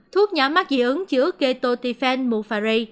thuốc nhỏ mắt dị ứng chữa ketotiphen mufari